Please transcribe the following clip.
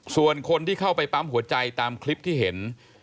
ส่วนคนที่เข้าไปปั๊มหัวใจตามคลิปที่เห็น